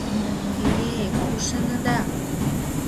— Эй, эй, куш шеҥыда?